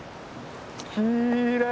きれい！